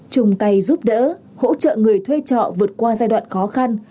chung tay giúp đỡ hỗ trợ người thuê trọ vượt qua giai đoạn khó khăn